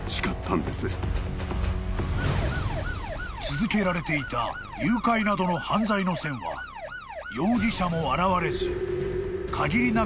［続けられていた誘拐などの犯罪の線は容疑者も現れず限りなく薄くなっていた］